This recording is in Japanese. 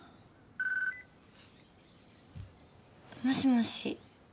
もしもし。